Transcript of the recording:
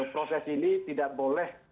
proses ini tidak boleh